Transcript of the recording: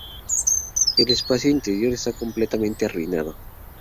El espacio interior está completamente arruinado.